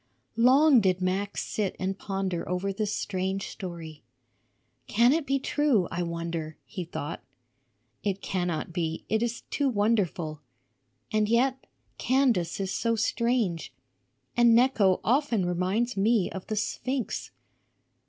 Long did Max sit and ponder over this strange story. "Can it be true, I wonder?" he thought. "It cannot be; it is too wonderful. And yet, Candace is so strange. And Necho often reminds me of the sphinx.